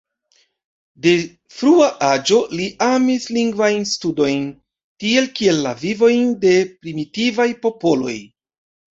De frua aĝo li amis lingvajn studojn, tiel kiel la vivojn de primitivaj popoloj.